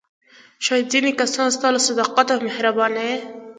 شاید ځینې کسان ستا له صداقت او مهربانۍ.